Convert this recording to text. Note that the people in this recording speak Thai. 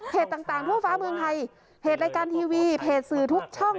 ต่างทั่วฟ้าเมืองไทยเพจรายการทีวีเพจสื่อทุกช่อง